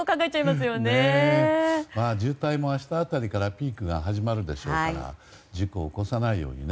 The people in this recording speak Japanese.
まあ、渋滞も明日辺りからピークが始まるでしょうから事故を起こさないようにね。